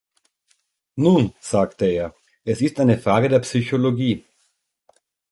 Nun, sagte er, es ist eine Frage der Psychologie.